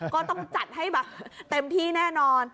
ก็ต้องจัดให้แบบเต็มที่แน่นอน